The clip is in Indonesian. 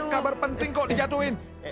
kabar penting kok dijatuhin